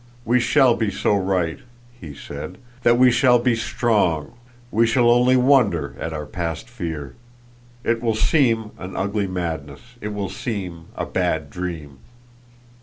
We shall be so right," he said, "that we shall be strong; we shall only wonder at our past fear. It will seem an ugly madness. It will seem a bad dream."